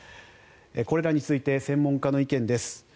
これらについて専門家の意見です。